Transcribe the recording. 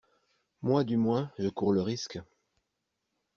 Moi, du moins, je cours le risque.